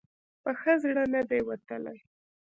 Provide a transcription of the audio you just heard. په ښه زړه نه دی وتلی.